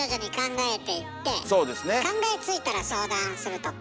考えついたら相談するとか。